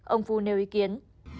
ông phu nêu ý kiến